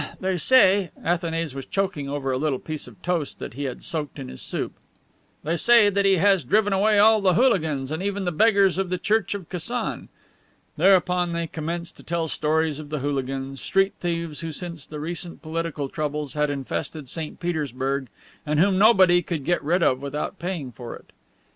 ah, ah... they say..." (Athanase was choking over a little piece of toast that he had soaked in his soup) "they say that he has driven away all the hooligans and even all the beggars of the church of Kasan." Thereupon they commenced to tell stories of the hooligans, street thieves who since the recent political troubles had infested St. Petersburg and whom nobody, could get rid of without paying for it.